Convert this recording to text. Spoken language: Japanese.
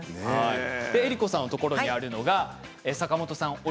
江里子さんのところにあるのが坂本さん